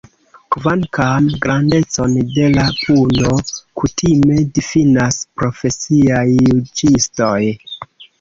Kvankam grandecon de la puno kutime difinas profesiaj juĝistoj.